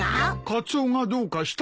カツオがどうかしたのか？